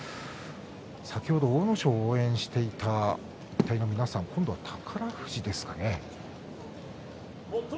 先ほど阿武咲を応援していた皆さん、今度は宝富士ですかね。